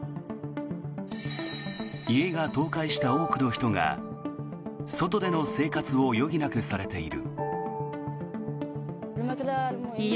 家が倒壊した多くの人が外での生活を余儀なくされている。